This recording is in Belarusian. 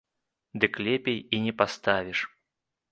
Дык лепей і не паставіш!